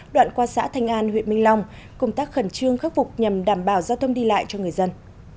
đoạn qua xã thanh an huyện minh long công tác khẩn trương khắc phục nhằm đảm bảo giao thông đi lại cho người dân